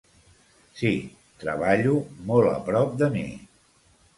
Sí, treballo molt a prop de mi.